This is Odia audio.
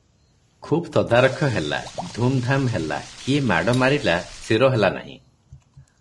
ଖୁବ୍ ତଦାରଖ ହେଲା, ଧୂମଧାମ ହେଲା, କିଏ ମାଡ଼ ମାରିଲା ସ୍ଥିର ହେଲା ନାହିଁ ।